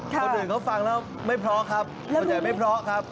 คนอื่นเขาฟังแล้วไม่พอครับมันจะไม่พอครับ